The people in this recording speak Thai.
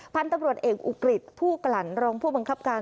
พันธุ์ตำรวจเอกอุกฤษผู้กลั่นรองผู้บังคับการ